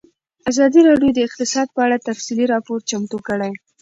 ازادي راډیو د اقتصاد په اړه تفصیلي راپور چمتو کړی.